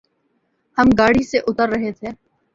ہم گاڑی سے اتر رہ تھے